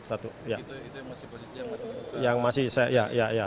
itu yang masih posisi yang masih buka